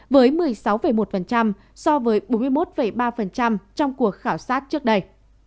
với một mươi sáu một so với bốn mươi một ba trong cuộc khảo sát trước đây